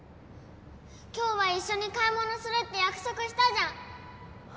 今日は一緒に買い物するって約束したじゃん！